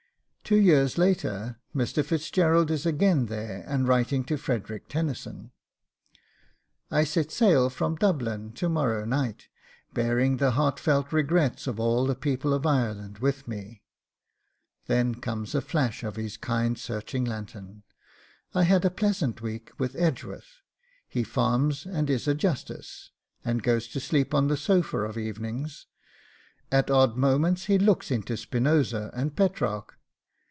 Two years later Mr. Fitzgerald is again there and writing to Frederick Tennyson: 'I set sail from Dublin to morrow night, bearing the heartfelt regrets of all the people of Ireland with me.' Then comes a flash of his kind searching lantern: 'I had a pleasant week with Edgeworth. He farms and is a justice, and goes to sleep on the sofa of evenings. At odd moments he looks into Spinoza and Petrarch.